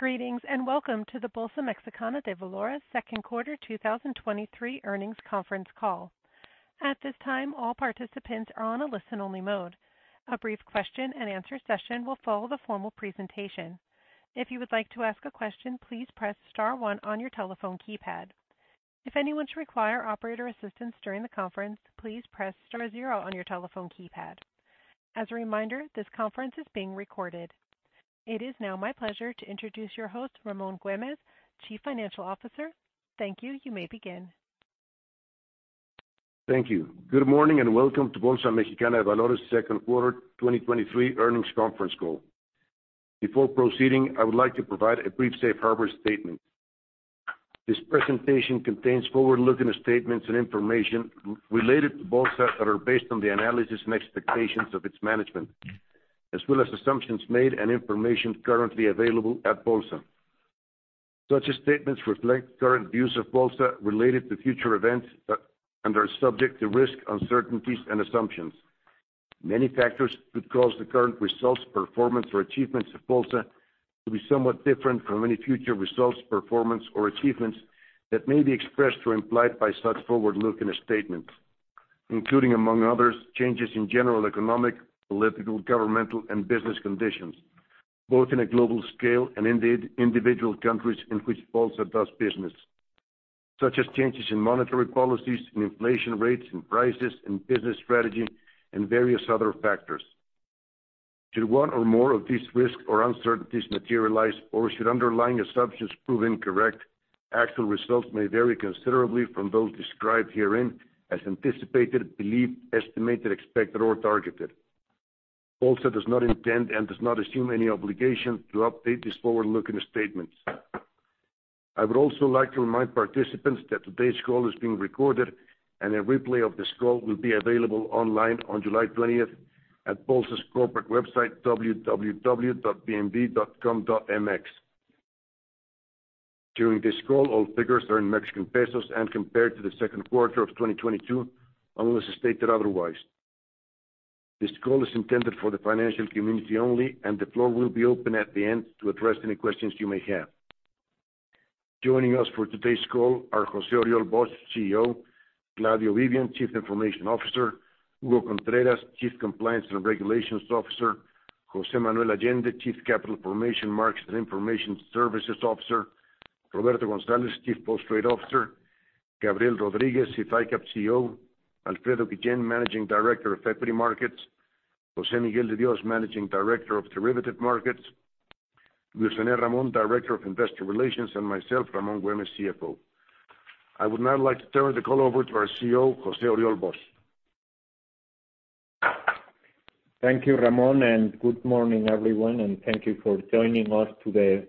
Greetings, and welcome to the Bolsa Mexicana de Valores second quarter 2023 earnings conference call. At this time, all participants are on a listen-only mode. A brief question-and-answer session will follow the formal presentation. If you would like to ask a question, please press star one on your telephone keypad. If anyone should require operator assistance during the conference, please press star zero on your telephone keypad. As a reminder, this conference is being recorded. It is now my pleasure to introduce your host, Ramón Güémez, Chief Financial Officer. Thank you. You may begin. Thank you. Good morning, and welcome to Bolsa Mexicana de Valores second quarter 2023 earnings conference call. Before proceeding, I would like to provide a brief safe harbor statement. This presentation contains forward-looking statements and information related to Bolsa that are based on the analysis and expectations of its management, as well as assumptions made and information currently available at Bolsa. Such as statements reflect current views of Bolsa related to future events, and are subject to risk, uncertainties, and assumptions. Many factors could cause the current results, performance, or achievements of Bolsa to be somewhat different from any future results, performance, or achievements that may be expressed or implied by such forward-looking statements, including, among others, changes in general economic, political, governmental, and business conditions, both in a global scale and in the individual countries in which Bolsa does business. Such as changes in monetary policies and inflation rates and prices and business strategy and various other factors. Should one or more of these risks or uncertainties materialize, or should underlying assumptions prove incorrect, actual results may vary considerably from those described herein as anticipated, believed, estimated, expected, or targeted. Bolsa does not intend and does not assume any obligation to update these forward-looking statements. I would also like to remind participants that today's call is being recorded and a replay of this call will be available online on July 20th at Bolsa's corporate website, www.bmv.com.mx. During this call, all figures are in Mexican pesos and compared to the second quarter of 2022, unless stated otherwise. This call is intended for the financial community only, and the floor will be open at the end to address any questions you may have. Joining us for today's call are José-Oriol Bosch, CEO; Claudio Vivian, Chief Information Officer; Hugo Contreras, Chief Compliance and Regulations Officer; José Manuel Allende, Chief Capital Formation, Markets, and Information Services Officer; Roberto González, Chief Post-Trade Officer; Gabriel Rodríguez, SIF ICAP CEO; Alfredo Villen, Managing Director of Equity Markets; José Miguel de Dios, Managing Director of Derivative Markets; Wilson Ramón, Director of Investor Relations; and myself, Ramón Güémez, CFO. I would now like to turn the call over to our CEO, José-Oriol Bosch. Thank you, Ramón. Good morning, everyone, and thank you for joining us to the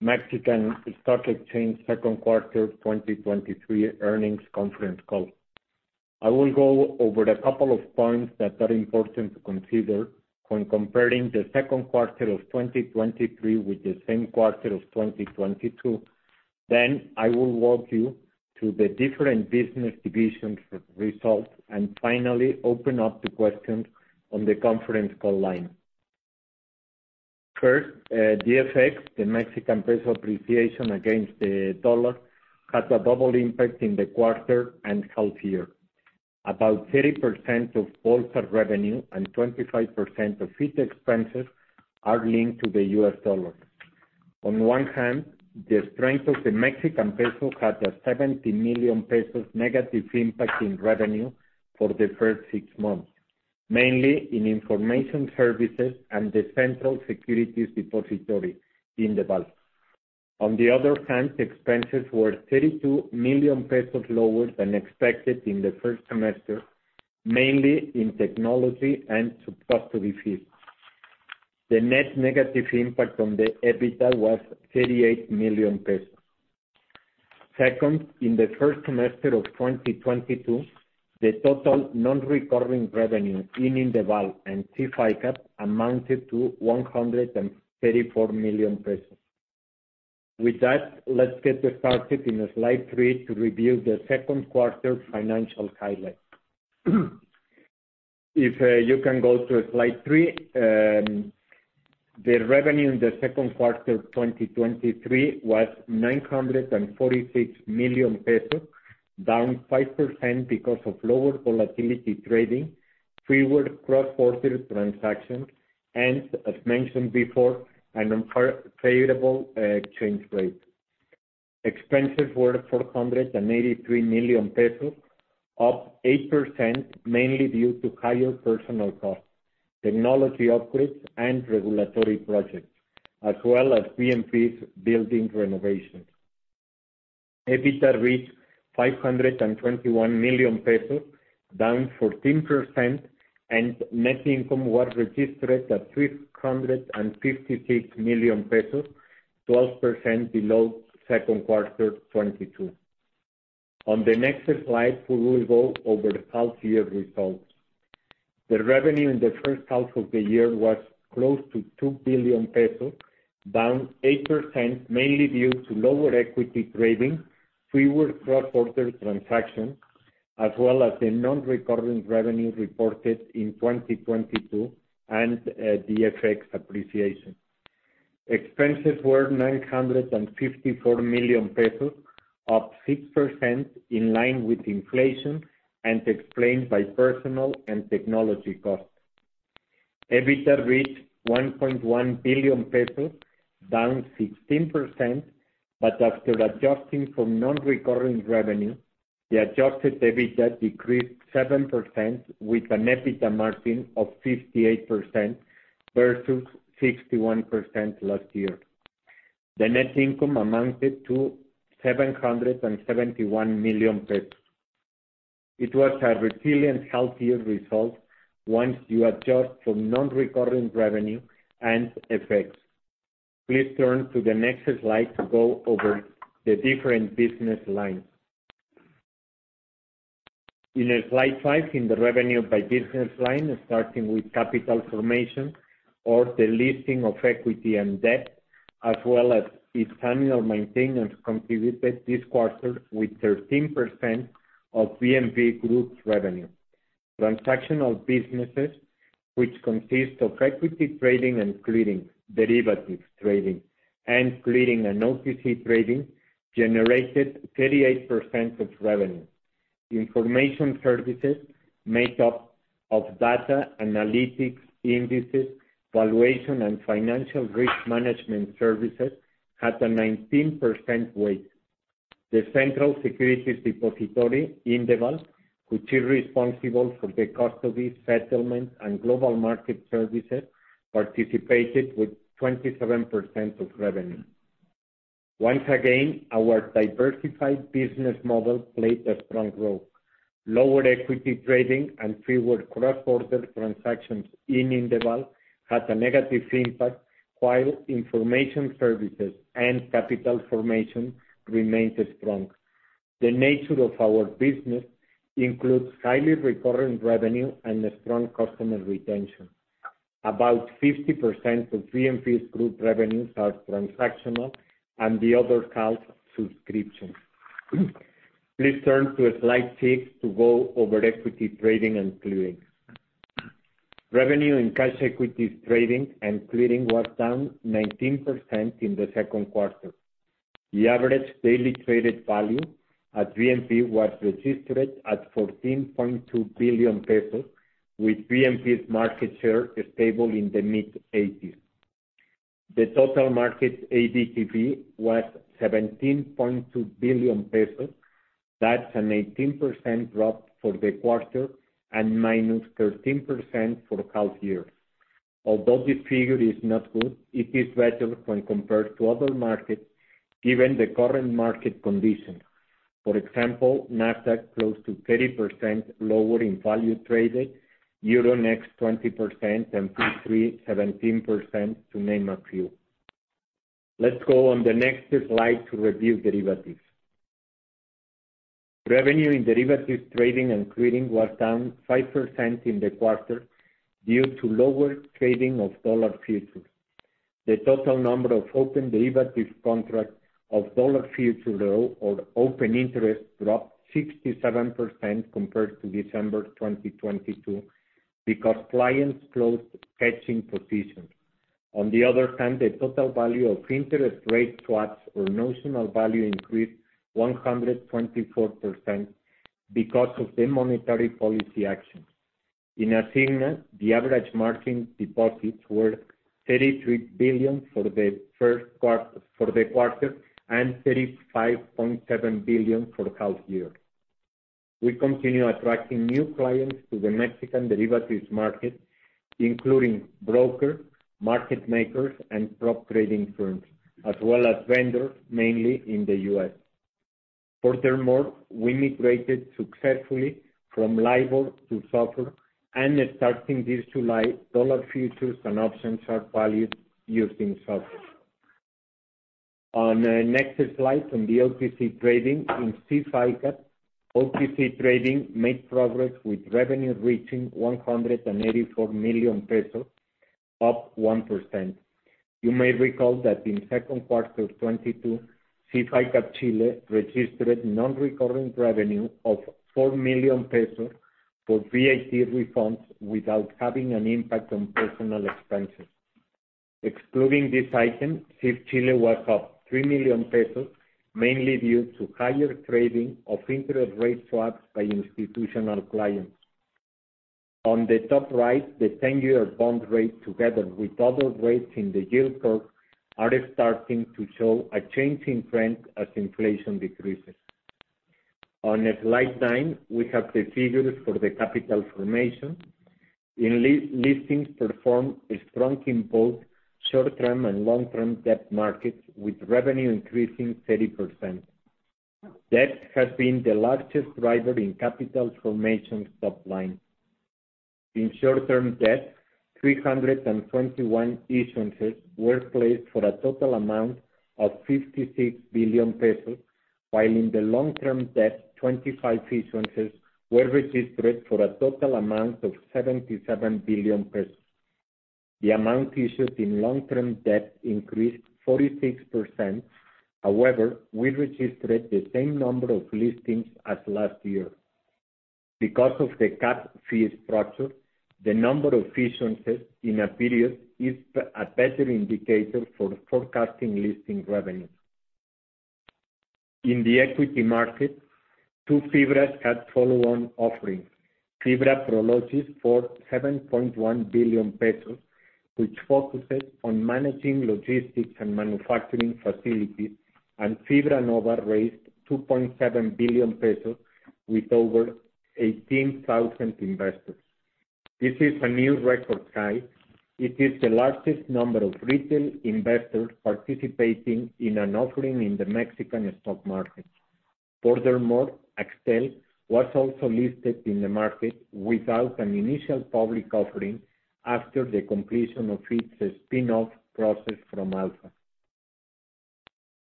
Mexican Stock Exchange second quarter 2023 earnings conference call. I will go over a couple of points that are important to consider when comparing the second quarter of 2023 with the same quarter of 2022. I will walk you through the different business divisions for results, and finally, open up to questions on the conference call line. First, DFX, the Mexican peso appreciation against the U.S. Dollar, had a double impact in the quarter and half year. About 30% of Bolsa revenue and 25% of fees expenses are linked to the U.S. Dollar. On one hand, the strength of the Mexican peso had a 70 million pesos negative impact in revenue for the first six months, mainly in information services and the central securities depository in the Bolsa. On the other hand, expenses were 32 million pesos lower than expected in the first semester, mainly in technology and custody fees. The net negative impact on the EBITDA was 38 million pesos. In the first semester of 2022, the total non-recurring revenue in Indeval and SIF ICAP amounted to 134 million pesos. Let's get started in the slide three to review the second quarter financial highlights. You can go to slide three, the revenue in the second quarter 2023 was 946 million pesos, down 5% because of lower volatility trading, fewer cross-border transactions, and, as mentioned before, an unfavorable exchange rate. Expenses were 483 million pesos, up 8%, mainly due to higher personal costs, technology upgrades, and regulatory projects, as well as BMV's building renovations. EBITDA reached 521 million pesos, down 14%. Net income was registered at 356 million pesos, 12% below second quarter 2022. On the next slide, we will go over the half year results. The revenue in the first half of the year was close to 2 billion pesos, down 8%, mainly due to lower equity trading, fewer cross-border transactions, as well as the non-recurring revenue reported in 2022 and the FX appreciation. Expenses were 954 million pesos, up 6% in line with inflation, explained by personal and technology costs. EBITDA reached 1.1 billion pesos, down 16%. After adjusting for non-recurring revenue, the adjusted EBITDA decreased 7% with an EBITDA margin of 58% versus 61% last year. The net income amounted to 771 million pesos. It was a resilient, healthy result once you adjust for non-recurring revenue and effects. Please turn to the next slide to go over the different business lines. In Slide five, in the revenue by business line, starting with capital formation or the listing of equity and debt, as well as its annual maintenance, contributed this quarter with 13% of BMV Group's revenue. Transactional businesses, which consist of equity trading and clearing, derivatives trading, and clearing and OTC trading, generated 38% of revenue. Information services, made up of data, analytics, indices, valuation, and financial risk management services, had a 19% weight. The central securities depository, INDEVAL, which is responsible for the custody, settlement, and global market services, participated with 27% of revenue. Once again, our diversified business model played a strong role. Lower equity trading and forward cross-border transactions in INDEVAL had a negative impact, while information services and capital formation remained strong. The nature of our business includes highly recurring revenue and a strong customer retention. About 50% of BMV's group revenues are transactional, and the other half, subscription. Please turn to slide six to go over equity trading and clearing. Revenue and cash equities trading and clearing was down 19% in the second quarter. The average daily traded value at BMV was registered at 14.2 billion pesos, with BMV's market share stable in the mid-80s. The total market ADTV was 17.2 billion pesos. That's an 18% drop for the quarter and minus 13% for the half year. Although this figure is not good, it is better when compared to other markets, given the current market conditions. For example, Nasdaq close to 30% lower in value traded, Euronext, 20%, and FTSE, 17%, to name a few. Let's go on the next slide to review derivatives. Revenue in derivatives trading and clearing was down 5% in the quarter due to lower trading of dollar futures. The total number of open derivatives contracts of dollar futures or open interest dropped 67% compared to December 2022 because clients closed hedging positions. On the other hand, the total value of interest rate swaps or notional value increased 124% because of the monetary policy actions. In Asigna, the average margin deposits were 33 billion for the quarter, and 35.7 billion for the half year. We continue attracting new clients to the Mexican Derivatives Market, including brokers, market makers, and prop trading firms, as well as vendors, mainly in the U.S. Furthermore, we migrated successfully from LIBOR to SOFR, and starting this July, dollar futures and options are valued using SOFR. On the next slide, on the OTC trading in SIF ICAP, OTC trading made progress with revenue reaching 184 million pesos, up 1%. You may recall that in second quarter 2022, SIF ICAP Chile registered non-recurring revenue of 4 million pesos for VAT refunds without having an impact on personal expenses. Excluding this item, SIF ICAP Chile was up 3 million pesos, mainly due to higher trading of interest rate swaps by institutional clients. On the top right, the 10-year bond rate, together with other rates in the yield curve, are starting to show a changing trend as inflation decreases. On slide nine, we have the figures for the capital formation. In listings performed strong in both short-term and long-term debt markets, with revenue increasing 30%. Debt has been the largest driver in capital formation top line. In short-term debt, 321 issuances were placed for a total amount of 56 billion pesos, while in the long-term debt, 25 issuances were registered for a total amount of 77 billion pesos. The amount issued in long-term debt increased 46%. However, we registered the same number of listings as last year. Because of the cap fee structure, the number of issuances in a period is a better indicator for forecasting listing revenue. In the equity market, two FIBRAs had follow-on offerings. FIBRA Prologis for 7.1 billion pesos, which focuses on managing logistics and manufacturing facilities. FIBRA Nova raised 2.7 billion pesos with over 18,000 investors. This is a new record high. It is the largest number of retail investors participating in an offering in the Mexican stock market. Axtel was also listed in the market without an initial public offering after the completion of its spin-off process from Alfa.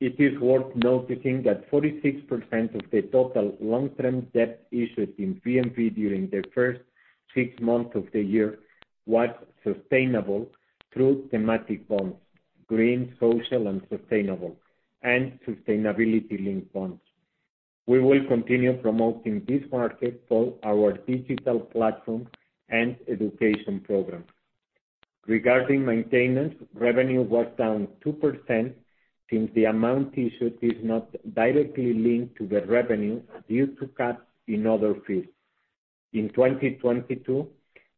It is worth noticing that 46% of the total long-term debt issued in BMV during the first six months of the year was sustainable through thematic bonds, green, social, and sustainable, and sustainability-linked bonds. We will continue promoting this market for our digital platform and education program. Regarding maintenance, revenue was down 2%, since the amount issued is not directly linked to the revenue due to cuts in other fees. In 2022,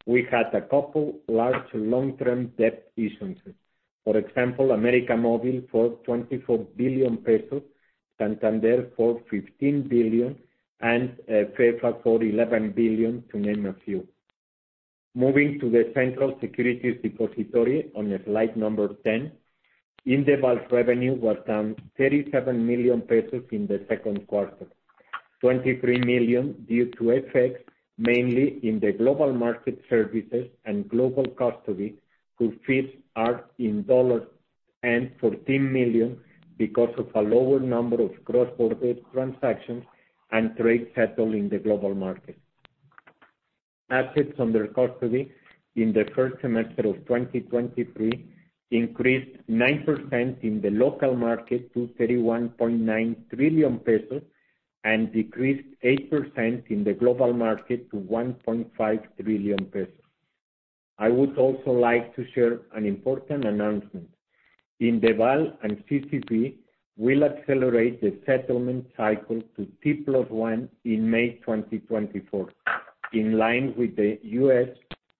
we had a couple large long-term debt issuances. For example, América Móvil for 24 billion pesos, Santander for 15 billion, and CFE Fibra E for 11 billion, to name a few. Moving to the central securities depository on slide number 10. INDEVAL's revenue was down 37 million pesos in the second quarter, 23 million due to FX, mainly in the global market services and global custody, who fees are in dollars, and 14 million because of a lower number of cross-border transactions and trade settle in the global market. Assets under custody in the first semester of 2023 increased 9% in the local market to 31.9 trillion pesos, and decreased 8% in the global market to 1.5 trillion pesos. I would also like to share an important announcement. INDEVAL and CCP will accelerate the settlement cycle to T+1 in May 2024, in line with the U.S.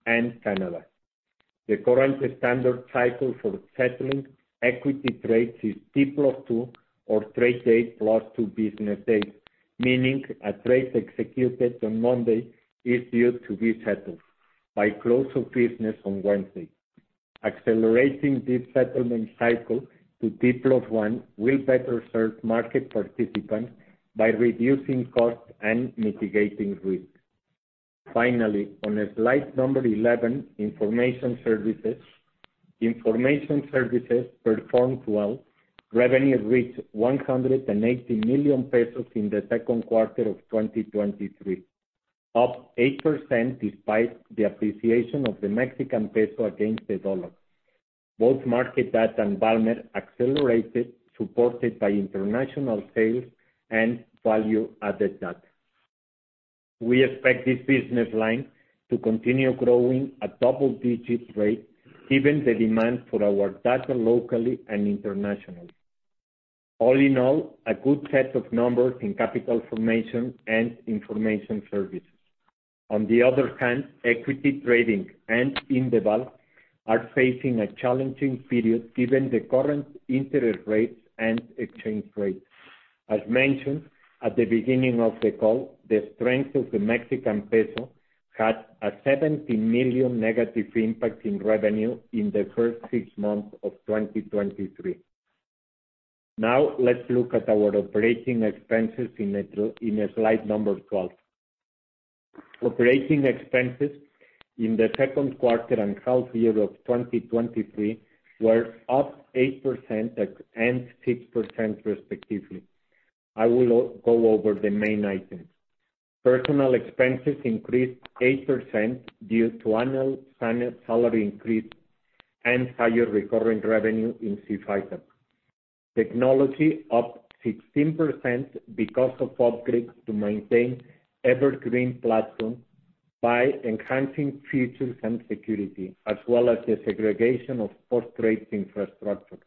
and Canada. The current standard cycle for settling equity trades is T+2 or trade date plus two business days, meaning a trade executed on Monday is due to be settled by close of business on Wednesday. Accelerating this settlement cycle to T+1 will better serve market participants by reducing costs and mitigating risk. Finally, on slide number 11, information services. Information services performed well. Revenue reached 180 million pesos in the second quarter of 2023, up 8% despite the appreciation of the Mexican peso against the US dollar. Both Market Data and Valmer accelerated, supported by international sales and value-added data. We expect this business line to continue growing at double-digit rate, given the demand for our data locally and internationally. All in all, a good set of numbers in capital formation and information services. Equity trading and Indeval are facing a challenging period, given the current interest rates and exchange rates. As mentioned, at the beginning of the call, the strength of the Mexican peso had a 70 million negative impact in revenue in the first six months of 2023. Let's look at our operating expenses in slide number 12. Operating expenses in the second quarter and half year of 2023 were up 8% and 6% respectively. I will go over the main items. Personnel expenses increased 8% due to annual salary increase and higher recurring revenue in CIFESA. Technology up 16% because of upgrades to maintain evergreen platform by enhancing features and security, as well as the segregation of post-trade infrastructure.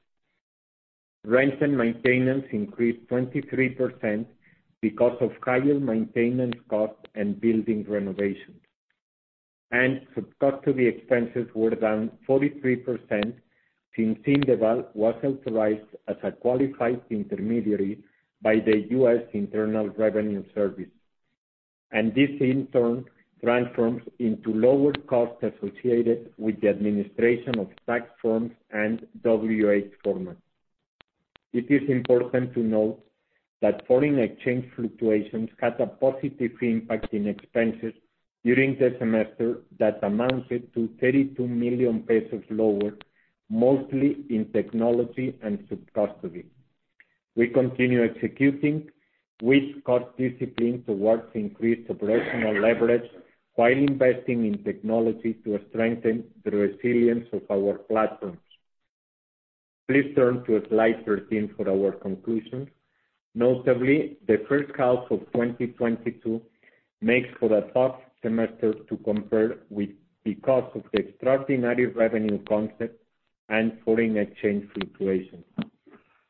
Rent and maintenance increased 23% because of higher maintenance costs and building renovations. Custody expenses were down 43%, since INDEVAL was authorized as a Qualified Intermediary by the U.S. Internal Revenue Service, and this in turn transforms into lower costs associated with the administration of tax forms and W-8 formats. It is important to note that foreign exchange fluctuations had a positive impact in expenses during the semester that amounted to 32 million pesos lower, mostly in technology and subcustody. We continue executing with cost discipline towards increased operational leverage, while investing in technology to strengthen the resilience of our platforms. Please turn to slide 13 for our conclusions. Notably, the first half of 2022 makes for a tough semester to compare with because of the extraordinary revenue concept and foreign exchange fluctuations.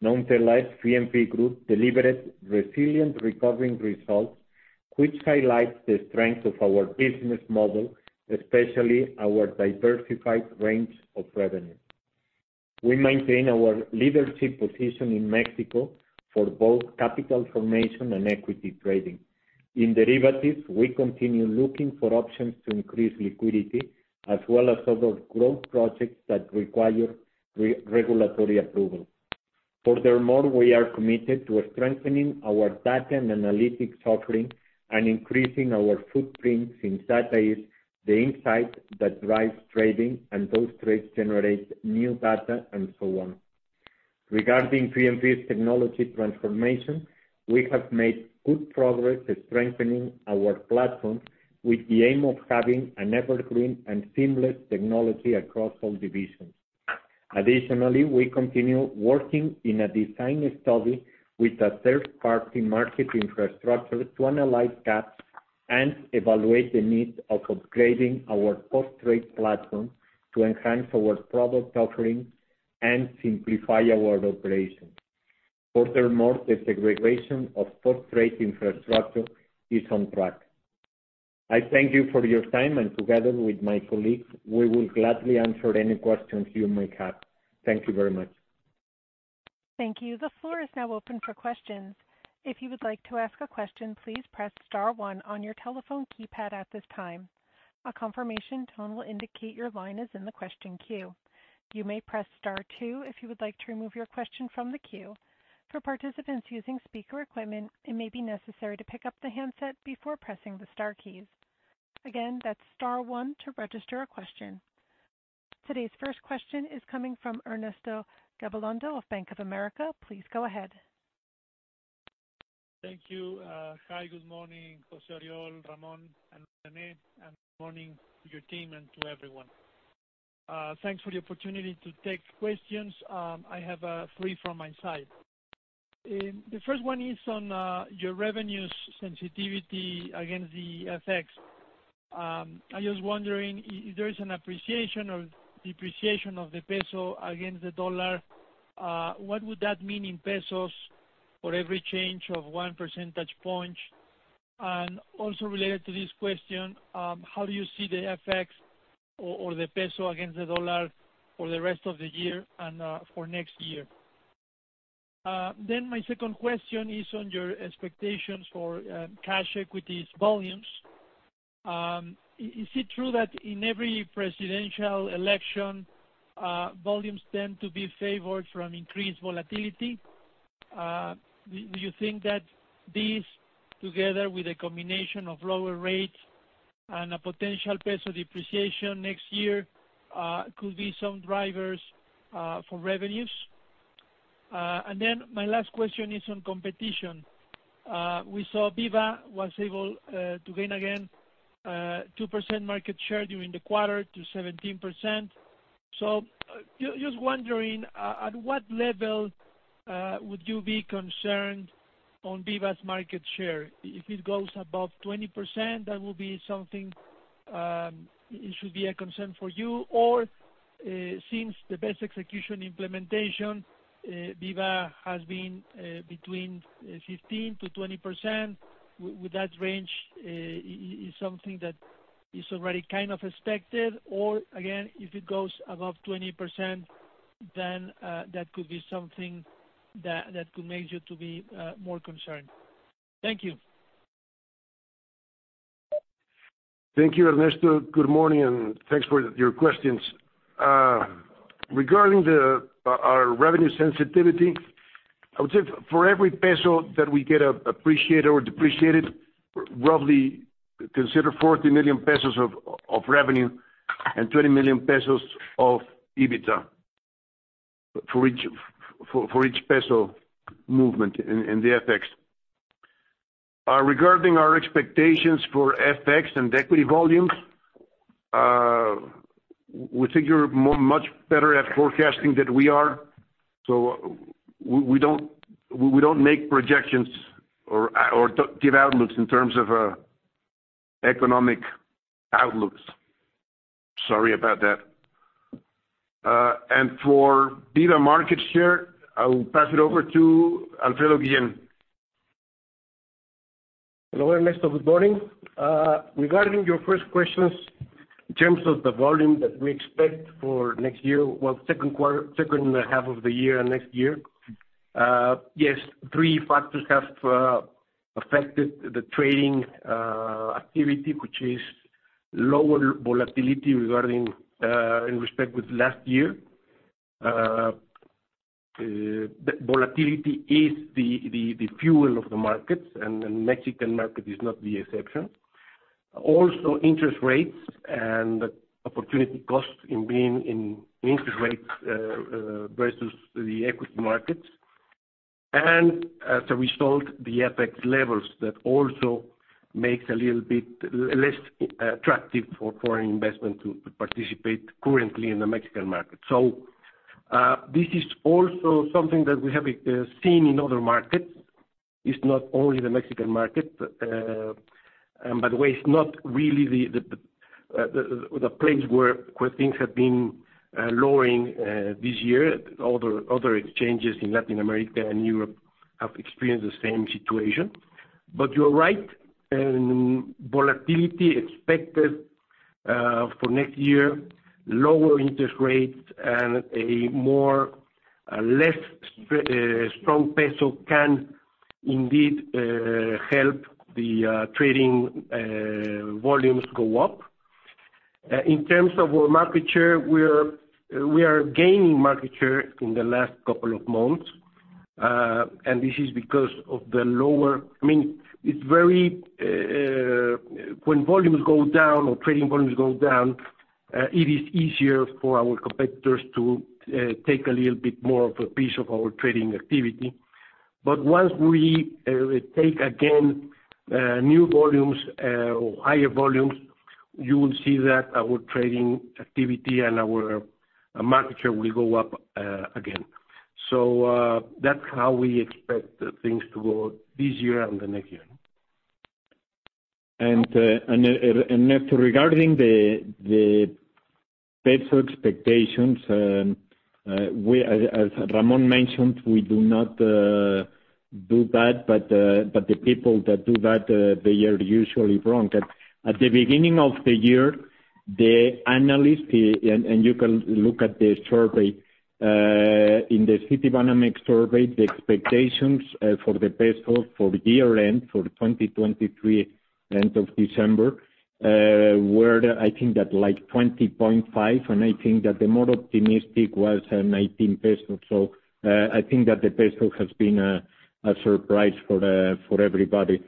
Nonetheless, BMV Group delivered resilient recovering results, which highlights the strength of our business model, especially our diversified range of revenue. We maintain our leadership position in Mexico for both capital formation and equity trading. In derivatives, we continue looking for options to increase liquidity, as well as other growth projects that require regulatory approval. Furthermore, we are committed to strengthening our data and analytics offering and increasing our footprint in data is the insight that drives trading, and those trades generate new data, and so on. Regarding BMV's technology transformation, we have made good progress in strengthening our platform with the aim of having an evergreen and seamless technology across all divisions. Additionally, we continue working in a design study with a third-party market infrastructure to analyze gaps and evaluate the needs of upgrading our post-trade platform to enhance our product offering and simplify our operations. Furthermore, the segregation of post-trade infrastructure is on track. I thank you for your time, and together with my colleagues, we will gladly answer any questions you may have. Thank you very much. Thank you. The floor is now open for questions. If you would like to ask a question, please press star one on your telephone keypad at this time. A confirmation tone will indicate your line is in the question queue. You may press star two if you would like to remove your question from the queue. For participants using speaker equipment, it may be necessary to pick up the handset before pressing the star keys. Again, that's star one to register a question. Today's first question is coming from Ernesto Gabilondo of Bank of America. Please go ahead. Thank you. Hi, good morning, José-Oriol, Ramón, and René, and good morning to your team and to everyone. Thanks for the opportunity to take questions. I have three from my side. The first one is on your revenues sensitivity against the FX. I was wondering if there is an appreciation or depreciation of the peso against the dollar, what would that mean in pesos for every change of one percentage point? Also related to this question, how do you see the FX or the peso against the dollar for the rest of the year and for next year? My second question is on your expectations for cash equities volumes. Is it true that in every presidential election, volumes tend to be favored from increased volatility? Do you think that this, together with a combination of lower rates and a potential peso depreciation next year, could be some drivers for revenues? My last question is on competition. We saw BIVA was able to gain again 2% market share during the quarter to 17%. Just wondering, at what level would you be concerned on BIVA's market share? If it goes above 20%, that will be something it should be a concern for you, or since the best execution implementation, BIVA has been between 15%-20%, would that range is something that is already kind of expected? Again, if it goes above 20%, then, that could be something that could make you to be more concerned. Thank you. Thank you, Ernesto. Good morning, thanks for your questions. Regarding our revenue sensitivity, I would say for every peso that we get appreciated or depreciated, roughly consider 40 million pesos of revenue and 20 million pesos of EBITDA for each peso movement in the FX. Regarding our expectations for FX and equity volumes, we think you're much better at forecasting than we are, so we don't make projections or give outlooks in terms of economic outlooks. Sorry about that. For BIVA market share, I will pass it over to Alfredo Guillén. Hello, Ernesto, good morning. Regarding your first questions, in terms of the volume that we expect for next year, well, second quarter, second half of the year and next year, yes, three factors have affected the trading activity, which is lower volatility regarding in respect with last year. The volatility is the, the fuel of the markets, and the Mexican market is not the exception. Also interest rates and opportunity costs in being in interest rates versus the equity markets. As a result, the FX levels that also makes a little bit less attractive for foreign investment to participate currently in the Mexican market. This is also something that we have seen in other markets. It's not only the Mexican market. By the way, it's not really the place where things have been lowering this year. Other exchanges in Latin America and Europe have experienced the same situation. You're right, volatility expected for next year, lower interest rates and a more, a less strong peso can indeed help the trading volumes go up. In terms of our market share, we are gaining market share in the last couple of months. This is because of the lower- I mean, it's very, when volumes go down or trading volumes go down, it is easier for our competitors to take a little bit more of a piece of our trading activity. Once we take again new volumes or higher volumes, you will see that our trading activity and our market share will go up again. That's how we expect things to go this year and the next year. Regarding the peso expectations, as Ramón mentioned, we do not do that, but the people that do that, they are usually wrong. At the beginning of the year, the analyst, you can look at the survey in the Citibanamex survey, the expectations for the peso for the year end, for 2023, end of December, were, I think that like 20.5, and I think that the more optimistic was 19 pesos. I think that the peso has been a surprise for everybody.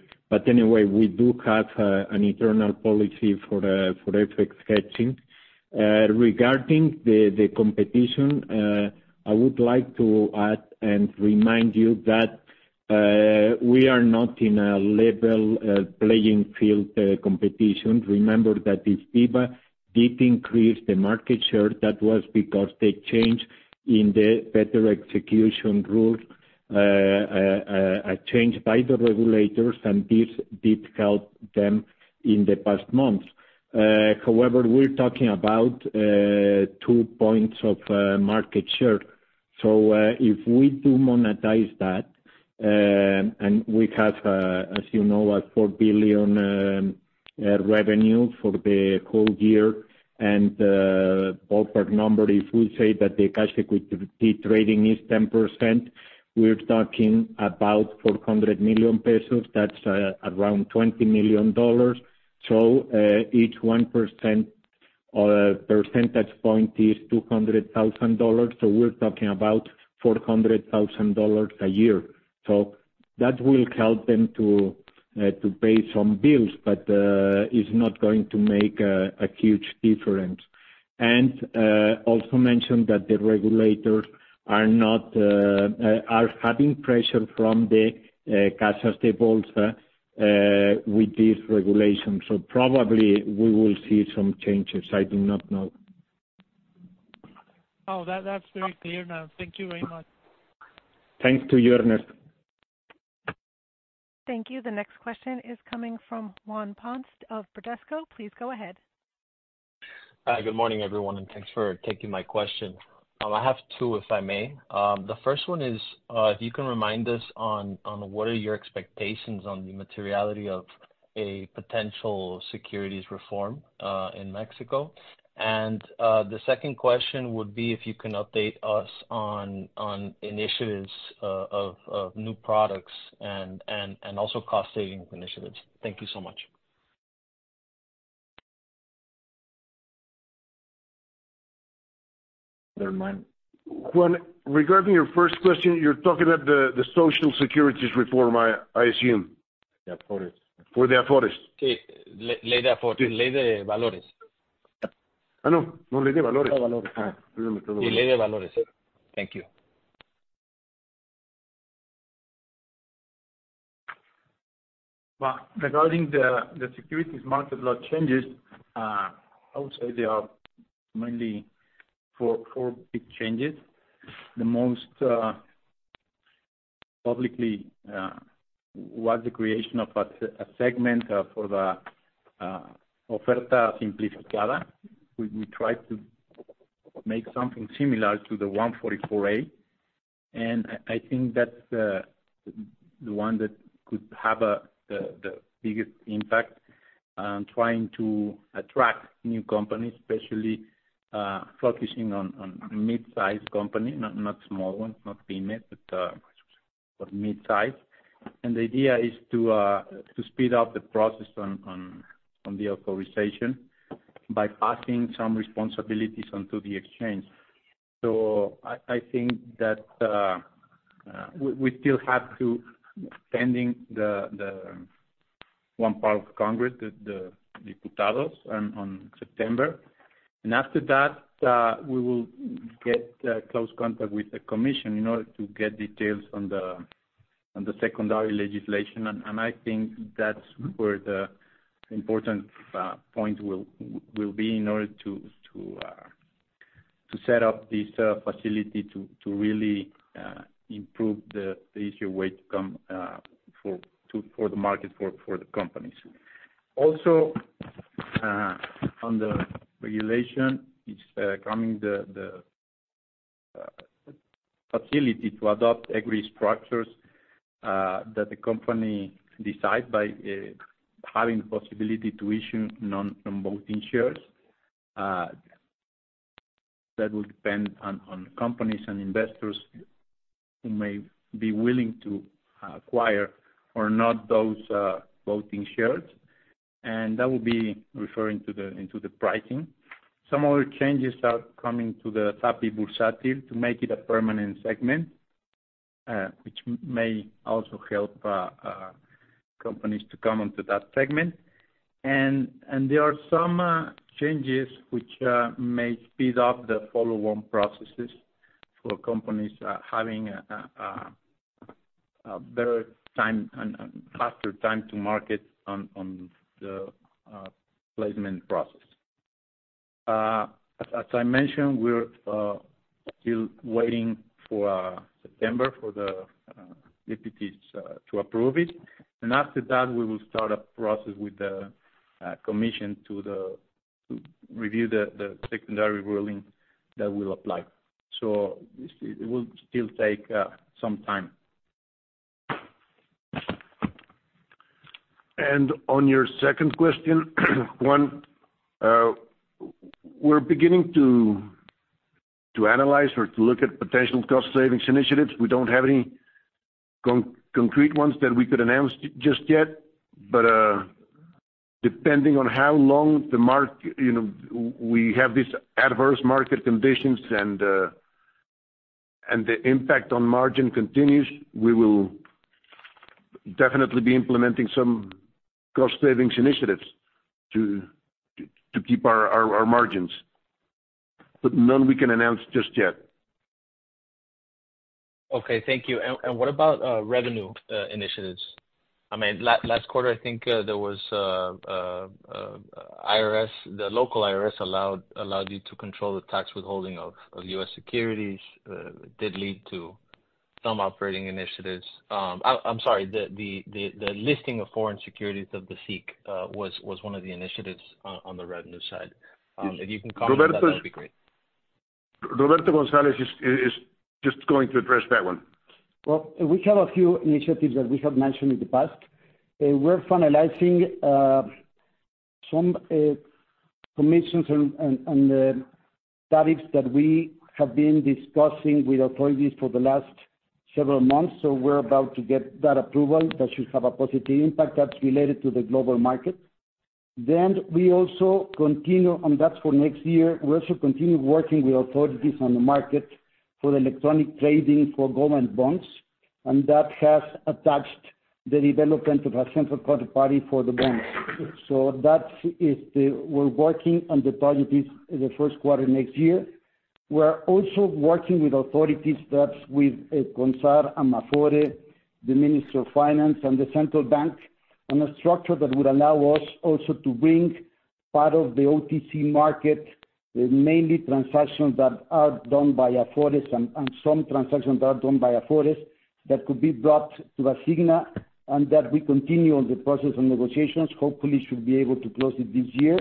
Anyway, we do have an internal policy for FX hedging. Regarding the competition, I would like to add and remind you that we are not in a level playing field competition. Remember that if BIVA did increase the market share, that was because they changed in the better execution rule, a change by the regulators, and this did help them in the past months. However, we're talking about two points of market share. If we do monetize that, and we have, as you know, a 4 billion revenue for the whole year, and ballpark number, if we say that the cash equity trading is 10%, we're talking about 400 million pesos. That's around $20 million. Each 1% or a percentage point is $200,000, we're talking about $400,000 a year. That will help them to pay some bills, but it's not going to make a huge difference. Also mention that the regulators are not having pressure from the casas de bolsa with this regulation. Probably we will see some changes. I do not know. Oh, that's very clear now. Thank you very much. Thanks to you, Ernest. Thank you. The next question is coming from Juan Ponce of Bradesco. Please go ahead. Good morning, everyone, thanks for taking my question. I have two, if I may. The first one is, if you can remind us on what are your expectations on the materiality of a potential securities reform in Mexico? The second question would be if you can update us on initiatives of new products and also cost saving initiatives. Thank you so much. Never mind. Juan, regarding your first question, you're talking about the Social Securities reform, I assume? Yeah, for it. For the authorities. Okay. Ley de Autoridades, Ley de Valores. I know. No, Ley de Valores. Valores. Ah. Ley de Valores, sir. Thank you. Well, regarding the Securities Market Law changes, I would say there are mainly four big changes. The most publicly was the creation of a segment for the Oferta Simplificada. We tried to make something similar to the Rule 144A, and I think that's the one that could have the biggest impact on trying to attract new companies, especially focusing on mid-sized company, not small ones, not PYME, but mid-size. The idea is to speed up the process on the authorization by passing some responsibilities onto the exchange. I think that we still have to sending the one part of Congress, the Diputados on September. After that, we will get close contact with the commission in order to get details on the secondary legislation. I think that's where the important point will be in order to set up this facility to really improve the easier way to come for the market, for the companies. Also, on the regulation, it's coming the facility to adopt agree structures that the company decide by having the possibility to issue non-voting shares. That will depend on companies and investors who may be willing to acquire or not those voting shares, and that will be referring into the pricing. Some other changes are coming to the SAPI Bursátil to make it a permanent segment, which may also help companies to come into that segment. There are some changes which may speed up the follow-on processes for companies, having a better time and faster time to market on the placement process. As I mentioned, we're still waiting for September for the deputies to approve it. After that, we will start a process with the commission to review the secondary ruling that will apply. It will still take some time. On your second question, Juan, we're beginning to analyze or to look at potential cost savings initiatives. We don't have any concrete ones that we could announce just yet, depending on how long the mark, you know, we have this adverse market conditions and the impact on margin continues, we will definitely be implementing some cost savings initiatives to keep our margins. None we can announce just yet. Okay, thank you. What about revenue initiatives? I mean, last quarter, I think, there was IRS, the local IRS allowed you to control the tax withholding of U.S. securities, did lead to some operating initiatives. I'm sorry, the listing of foreign securities of the SIC was one of the initiatives on the revenue side. If you can comment, that would be great. Roberto González is just going to address that one. We have a few initiatives that we have mentioned in the past. We're finalizing some permissions and studies that we have been discussing with authorities for the last several months, so we're about to get that approval. That should have a positive impact that's related to the global market. We also continue, and that's for next year, we also continue working with authorities on the market for the electronic trading for government bonds, and that has attached the development of a central counterparty for the banks. We're working on the target is the first quarter next year. We are also working with authorities, that's with CONSAR and AMAFORE, the Minister of Finance and the Central Bank, on a structure that would allow us also to bring part of the OTC market, mainly transactions that are done by Afores and some transactions that are done by Afores, that could be brought to Asigna and that we continue on the process and negotiations. Hopefully, should be able to close it this year.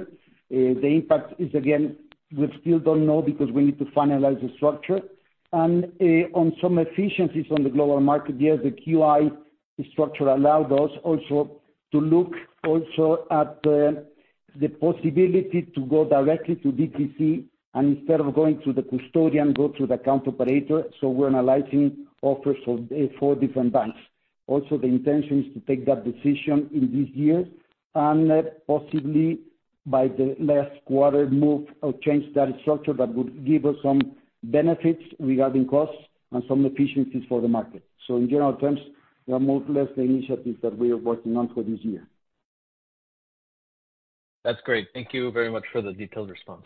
The impact is, again, we still don't know because we need to finalize the structure. On some efficiencies on the global market, yes, the QI structure allowed us also to look also at the possibility to go directly to DTC, and instead of going to the custodian, go to the account operator. We're analyzing offers for four different banks. The intention is to take that decision in this year, and possibly by the last quarter, move or change that structure, that would give us some benefits regarding costs and some efficiencies for the market. In general terms, there are more or less the initiatives that we are working on for this year. That's great. Thank you very much for the detailed response.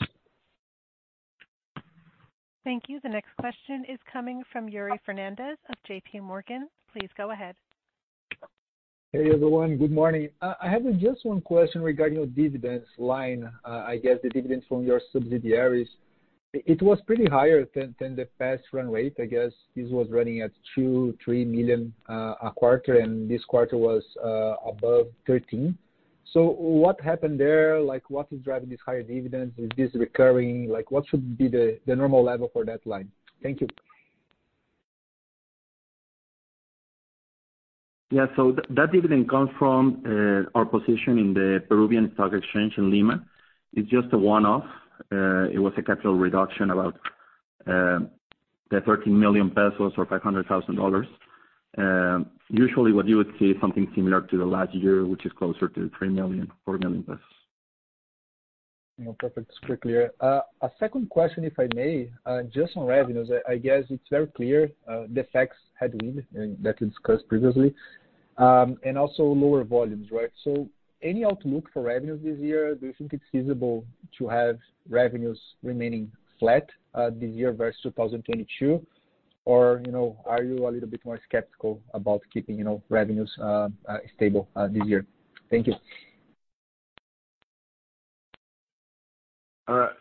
Thank you. The next question is coming from Yuri Fernandes of JPMorgan. Please go ahead. Hey, everyone. Good morning. I have just one question regarding your dividends line. I guess the dividends from your subsidiaries, it was pretty higher than the past run rate. I guess this was running at 2-3 million a quarter, and this quarter was above 13 million. What happened there? What is driving this higher dividends? Is this recurring? What should be the normal level for that line? Thank you. Yeah, that dividend comes from our position in the Lima Stock Exchange in Lima. It's just a one-off. It was a capital reduction, about 13 million pesos or $500,000. Usually, what you would see is something similar to the last year, which is closer to 3-4 million. You know, perfect, it's clear. A second question, if I may, just on revenues. I guess it's very clear, the effects had wind, and that we discussed previously, and also lower volumes, right? Any outlook for revenues this year, do you think it's feasible to have revenues remaining flat, this year versus 2022? You know, are you a little bit more skeptical about keeping, you know, revenues, stable, this year? Thank you. For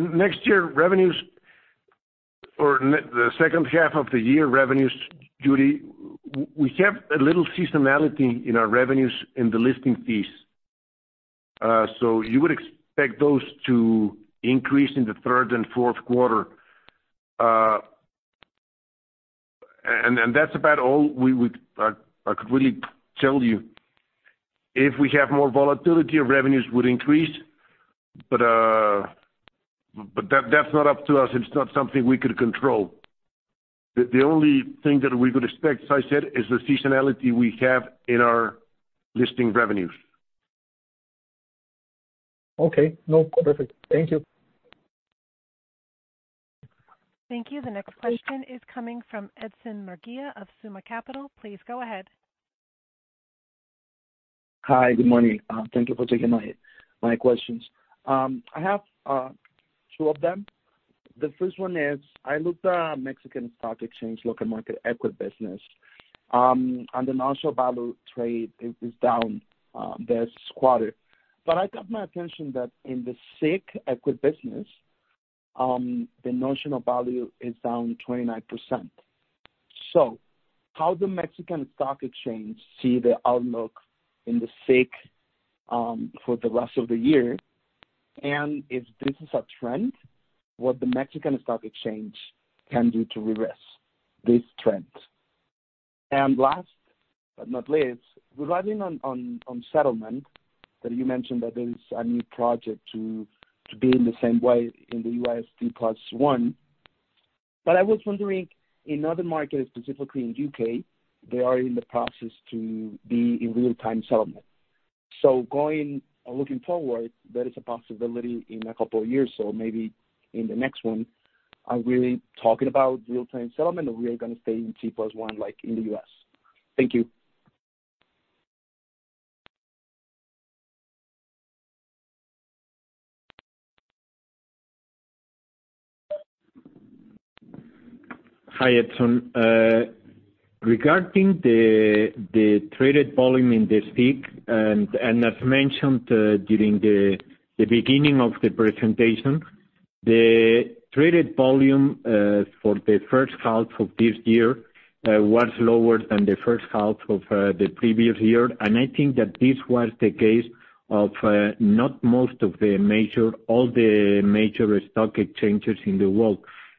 next year, revenues or the second half of the year revenues, Yuri, we have a little seasonality in our revenues in the listing fees. You would expect those to increase in the third and fourth quarter. That's about all I could really tell you. If we have more volatility, our revenues would increase, but that's not up to us, it's not something we could control. The only thing that we could expect, as I said, is the seasonality we have in our listing revenues. Okay. No, perfect. Thank you. Thank you. The next question is coming from Edson Murguia of SummaCap. Please go ahead. Hi, good morning. Thank you for taking my questions. I have two of them. The first one is, I looked at Mexican Stock Exchange, local market equity business, and the notional value trade is down this quarter. I got my attention that in the SIC equity business, the notional value is down 29%. How the Mexican Stock Exchange see the outlook in the SIC for the rest of the year? If this is a trend, what the Mexican Stock Exchange can do to reverse this trend? Last but not least, regarding settlement, that you mentioned that there is a new project to be in the same way in the U.S. T+1. I was wondering, in other markets, specifically in U.K., they are in the process to be in real-time settlement. Going or looking forward, there is a possibility in two years, so maybe in the next one, are we talking about real-time settlement, or we are gonna stay in T+1 like in the U.S.? Thank you. Hi, Edson. Regarding the traded volume in the SIC, as mentioned during the beginning of the presentation, the traded volume for the first half of this year was lower than the first half of the previous year. I think that this was the case of all the major stock exchanges in the world.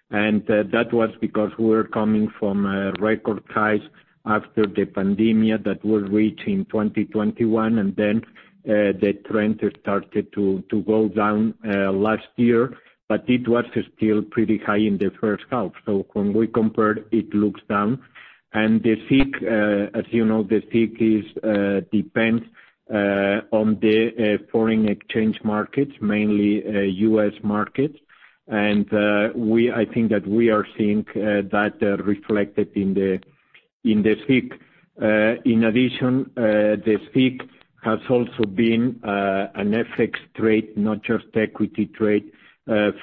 That was because we're coming from record highs after the pandemic that was reached in 2021, then the trend started to go down last year, but it was still pretty high in the first half. When we compared, it looks down. The SIC, as you know, the SIC depends on the foreign exchange markets, mainly U.S. markets. I think that we are seeing that reflected in the SIC. In addition, the SIC has also been an FX trade, not just equity trade,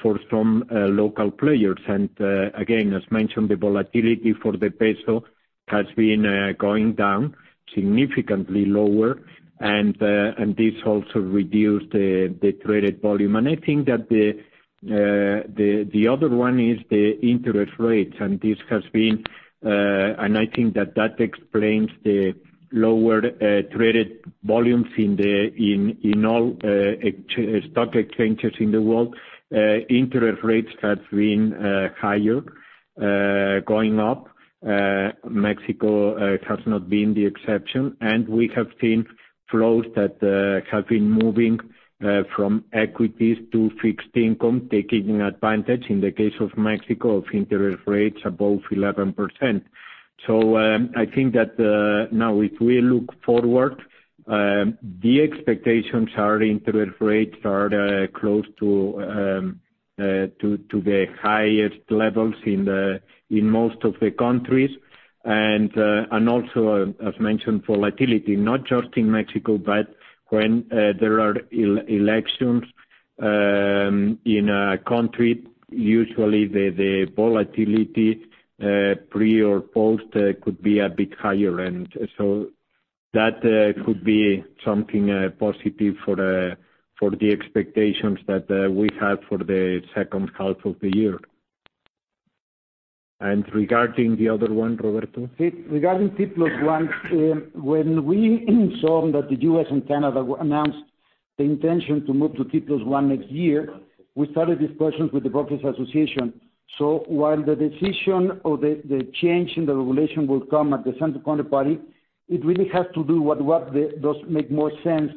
for some local players. Again, as mentioned, the volatility for the peso has been going down significantly lower, and this also reduced the traded volume. I think that the other one is the interest rates, and this has been... I think that that explains the lower traded volumes in all stock exchanges in the world. Interest rates have been higher, going up. Mexico has not been the exception. We have seen flows that have been moving from equities to fixed income, taking advantage, in the case of Mexico, of interest rates above 11%. I think that now if we look forward, the expectations are interest rates are close to the highest levels in most of the countries. Also, as mentioned, volatility, not just in Mexico, but when there are elections in a country, usually the volatility pre or post could be a bit higher. That could be something positive for the expectations that we have for the second half of the year. Regarding the other one, Roberto? Regarding T+1, when we saw that the U.S. and Canada announced the intention to move to T+1 next year, we started discussions with the Brokers' Association. While the decision or the change in the regulation will come at the central counterparty, it really has to do with what does make more sense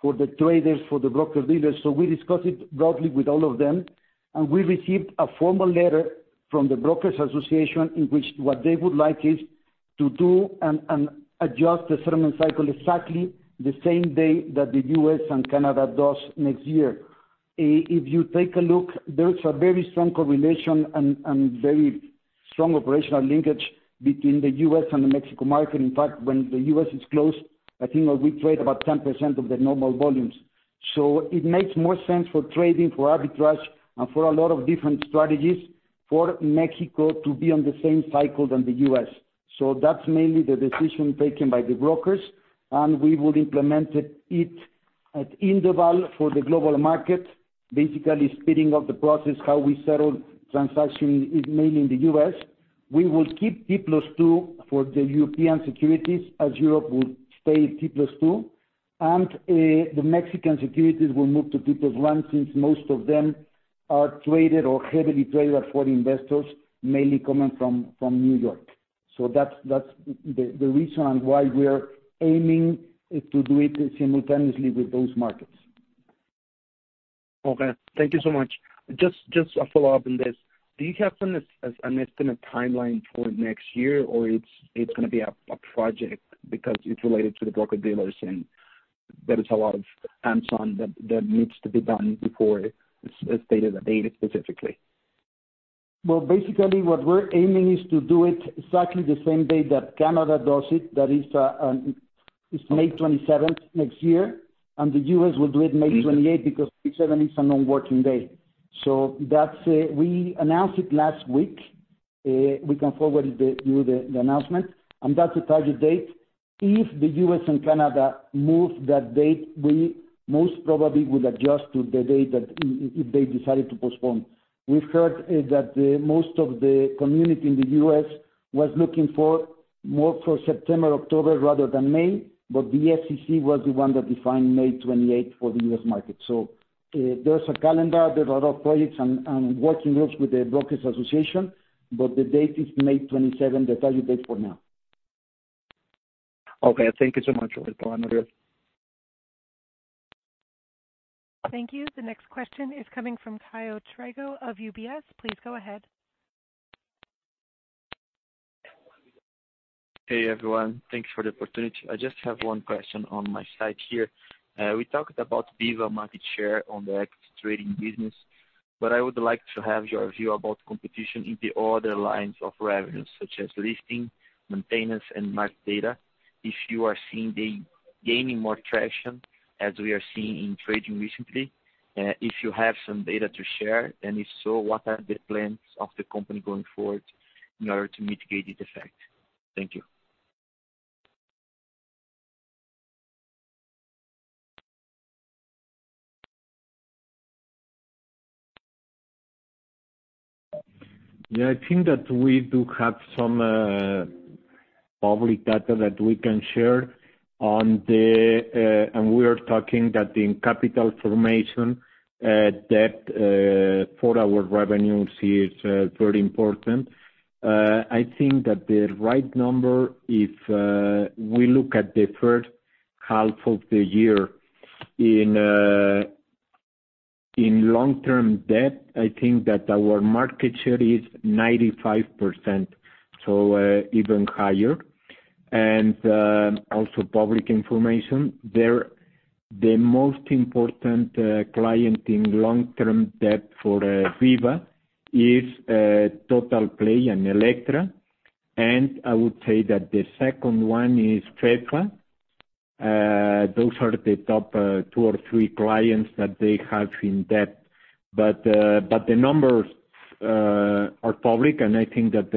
for the traders, for the broker-dealers. We discussed it broadly with all of them, and we received a formal letter from the Brokers' Association, in which what they would like is to do and adjust the settlement cycle exactly the same day that the U.S. and Canada does next year. If you take a look, there's a very strong correlation and very strong operational linkage between the U.S. and the Mexico market. In fact, when the U.S. is closed, I think we trade about 10% of the normal volumes. It makes more sense for trading, for arbitrage, and for a lot of different strategies for Mexico to be on the same cycle than the U.S. That's mainly the decision taken by the brokers, and we will implement it at INDEVAL for the global market, basically speeding up the process, how we settle transaction mainly in the U.S. We will keep T+2 for the European securities, as Europe would stay T+2. The Mexican securities will move to T+1, since most of them are traded or heavily traded for investors, mainly coming from New York. That's the reason on why we are aiming to do it simultaneously with those markets. Okay, thank you so much. Just a follow-up on this. Do you have an estimated timeline for next year, or it's gonna be a project because it's related to the broker-dealers, and there is a lot of hands-on that needs to be done before it's dated specifically? Well, basically, what we're aiming is to do it exactly the same day that Canada does it. That is, it's May 27th, next year, and the U.S. will do it May 28th. Mm-hmm. because 27th is a non-working day. That's, we announced it last week. We can forward you the announcement, and that's the target date. If the U.S. and Canada move that date, we most probably would adjust to the date that if they decided to postpone. We've heard that the most of the community in the U.S. was looking for more for September, October, rather than May, but the SEC was the one that defined May 28th for the U.S. market. There's a calendar, there are projects and working groups with the Brokers Association, but the date is May 27th, the target date for now. Okay, thank you so much, Roberto. I appreciate it. Thank you. The next question is coming from Caio Trigo of UBS. Please go ahead. Hey, everyone. Thank you for the opportunity. I just have one question on my side here. We talked about BIVA market share on the equity trading business, but I would like to have your view about competition in the other lines of revenue, such as listing, maintenance, and Market Data. If you are seeing gaining more traction, as we are seeing in trading recently, if you have some data to share, and if so, what are the plans of the company going forward in order to mitigate the effect? Thank you. I think that we do have some public data that we can share on the... We are talking that in capital formation, debt for our revenues is very important. I think that the right number is, we look at the first half of the year. In long-term debt, I think that our market share is 95%, so even higher. Also public information, there, the most important client in long-term debt for BIVA is Totalplay and Elektra, and I would say that the second one is Telva. Those are the top two or three clients that they have in debt. The numbers are public, and I think that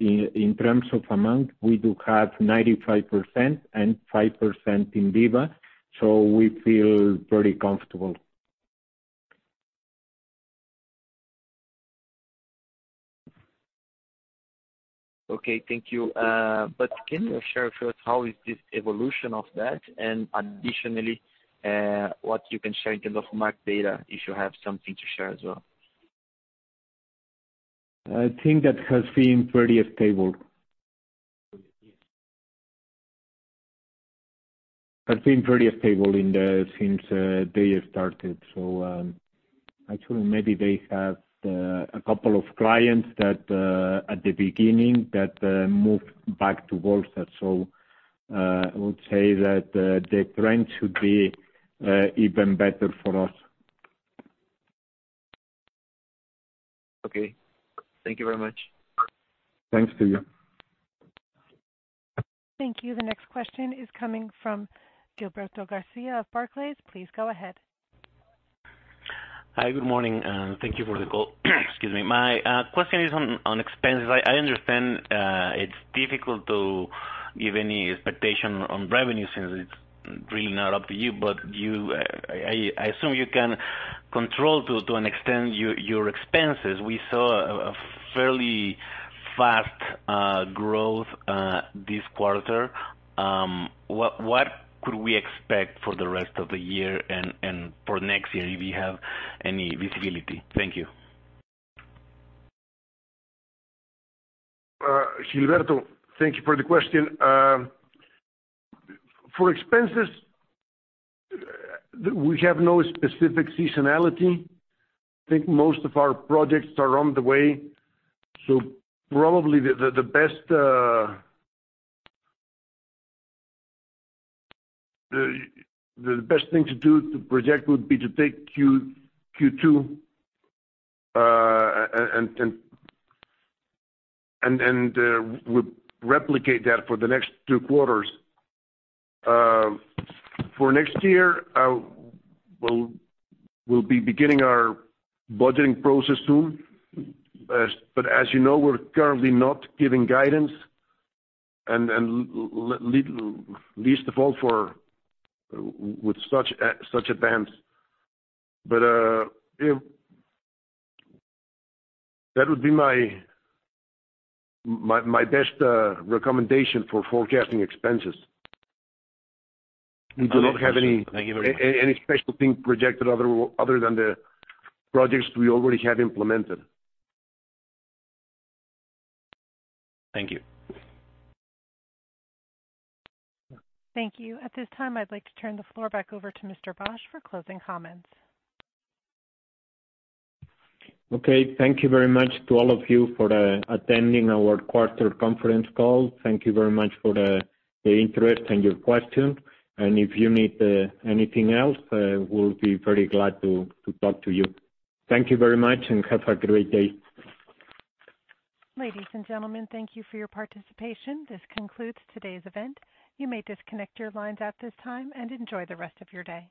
in terms of amount, we do have 95% and 5% in BIVA. We feel very comfortable. Okay, thank you. Can you share with us how is this evolution of that? Additionally, what you can share in terms of market data, if you have something to share as well? I think that has been pretty stable. Has been pretty stable in the, since they have started. actually, maybe they have a couple of clients that, at the beginning, that moved back to Wall Street. I would say that the trend should be even better for us. Okay. Thank you very much. Thanks to you. Thank you. The next question is coming from Gilberto García of Barclays. Please go ahead. Hi, good morning, and thank you for the call. Excuse me. My question is on expenses. I understand it's difficult to give any expectation on revenue since it's really not up to you, but I assume you can control to an extent, your expenses. We saw a fairly fast growth this quarter. What could we expect for the rest of the year and for next year, if you have any visibility? Thank you. Gilberto, thank you for the question. For expenses, we have no specific seasonality. I think most of our projects are on the way, so probably the best... The best thing to do to project would be to take Q2 and replicate that for the next two quarters. For next year, we'll be beginning our budgeting process soon. As you know, we're currently not giving guidance, and least of all, for with such a, such advance. Yeah, that would be my best recommendation for forecasting expenses. Thank you very much. We do not have any special thing projected other than the projects we already have implemented. Thank you. Thank you. At this time, I'd like to turn the floor back over to Mr. Bosch for closing comments. Thank you very much to all of you for attending our quarter conference call. Thank you very much for the interest and your questions, and if you need anything else, we'll be very glad to talk to you. Thank you very much, and have a great day. Ladies and gentlemen, thank you for your participation. This concludes today's event. You may disconnect your lines at this time and enjoy the rest of your day.